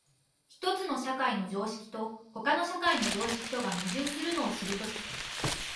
一つの社会の常識と他の社会の常識とが矛盾するのを知るとき、